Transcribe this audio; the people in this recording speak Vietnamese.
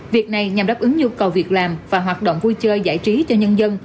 việc này nhằm đáp ứng nhu cầu việc làm và hoạt động vui chơi giải trí cho nhân dân